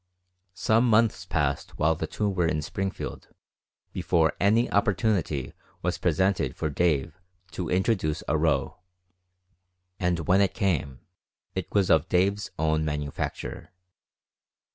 Some months passed while the two were in Springfield before any opportunity was presented for Dave to introduce a row, and when it came it was of Dave's own manufacture.